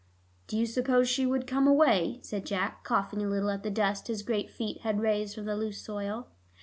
"Do you suppose she would come away?" said Jack, coughing a little at the dust his great feet had raised from the loose soil.